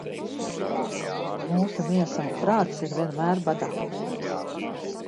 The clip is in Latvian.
Mūsu miesa un prāts ir vienmēr badā.